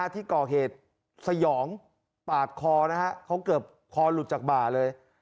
ที่ก่อเหตุสยองปาดคอนะฮะเขาเกือบคอหลุดจากบ่าเลย